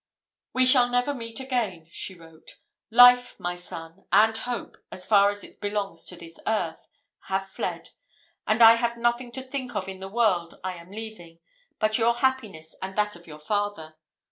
"We shall never meet again!" she wrote. "Life, my son, and hope, as far as it belongs to this earth, have fled; and I have nothing to think of in the world I am leaving, but your happiness and that of your father.